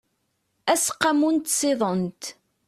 aseqqamu n tsiḍent